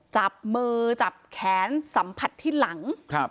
จับมือจับแขนสัมผัสที่หลัง